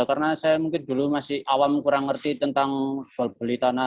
karena saya mungkin dulu masih awam kurang ngerti tentang beli tanah